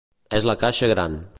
És la caixa gran.